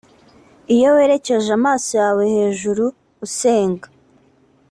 Iyo werekeje amaso yawe hejuru usenga